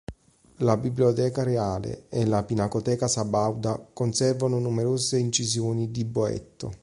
La Biblioteca Reale e la Pinacoteca Sabauda conservano numerose incisioni di Boetto.